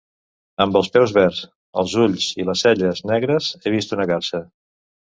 Amb els peus verds, els ulls i les celles negres, he vist una garsa.